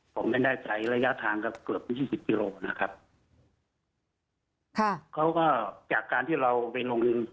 ผมไม่แน่ใจระยะทางกับเกือบยี่สิบกิโลนะครับค่ะเขาก็จากการที่เราไปโรงเรียน